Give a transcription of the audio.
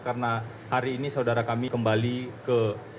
karena hari ini saudara kami kembali ke